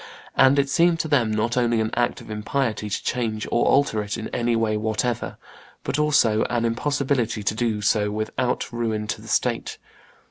And it seemed to them not only an act of impiety to change or alter it in any way whatever, but also an impossibility to do so without ruin to the state.